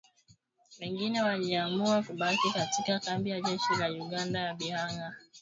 Wengine waliamua kubaki katika kambi ya jeshi la Uganda ya Bihanga, magharibi mwa Uganda.